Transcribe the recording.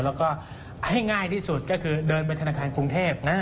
แล้วก็ให้ง่ายที่สุดก็คือเดินไปธนาคารกรุงเทพ